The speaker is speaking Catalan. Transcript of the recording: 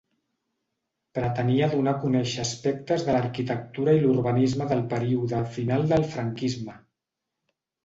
Pretenia donar a conèixer aspectes de l'arquitectura i l'urbanisme del període final del franquisme.